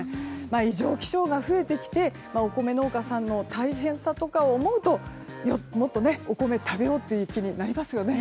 異常気象が増えてきてお米農家さんの大変さとかを思うともっと、お米食べようという気になりますよね。